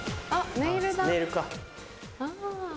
ネイルか。